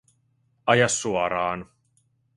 Aja suoraan